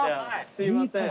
すいません。